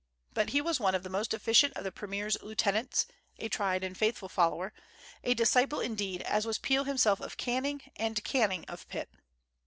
But he was one of the most efficient of the premier's lieutenants, a tried and faithful follower, a disciple, indeed, as was Peel himself of Canning, and Canning of Pitt.